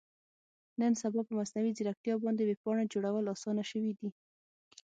نن سبا په مصنوي ځیرکتیا باندې ویب پاڼه جوړول اسانه شوي دي.